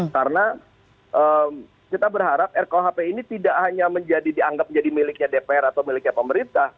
karena kita berharap rkuhp ini tidak hanya dianggap menjadi miliknya dpr atau miliknya pemerintah